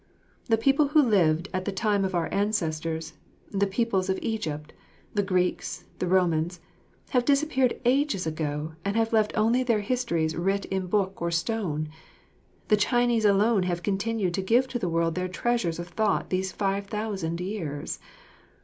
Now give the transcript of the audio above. The people who lived at the time of our ancestors, the peoples of Egypt, the Greeks, the Romans, have disappeared ages ago and have left only their histories writ in book or stone. The Chinese alone have continued to give to the world their treasures of thought these five thousand years.